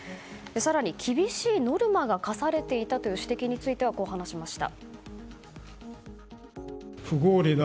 更に厳しいノルマが課されていたという指摘についてはこう話しました。